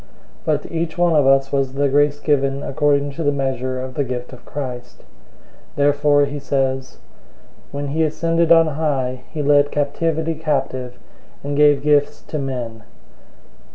004:007 But to each one of us was the grace given according to the measure of the gift of Christ. 004:008 Therefore he says, "When he ascended on high, he led captivity captive, and gave gifts to men."